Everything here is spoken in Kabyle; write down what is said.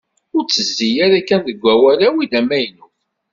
Ur tezzi ara kan deg wawal, awi-d amaynut.